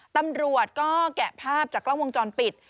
ตำรวจก็แกะภาพจากกล้องวงจรปิด